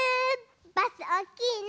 バスおっきいね。